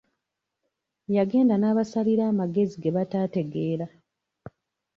Yagenda n'abasalira amagezi ge bataategeera.